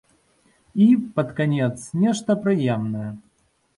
І, пад канец, нешта прыемнае.